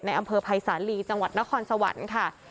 อำเภอภัยสาลีจังหวัดนครสวรรค์ค่ะ